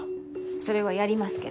それはやりますけど。